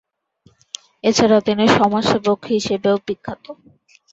এছাড়া তিনি সমাজসেবক হিসেবেও বিখ্যাত।